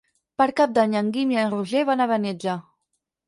Per Cap d'Any en Guim i en Roger van a Beniatjar.